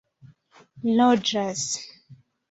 loĝas